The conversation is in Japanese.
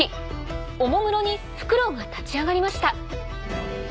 おもむろにフクロウが立ち上がりました。